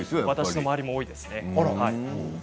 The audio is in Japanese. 私の周りも多いですね。